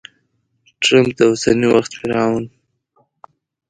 ټرمپ د اوسني وخت فرعون!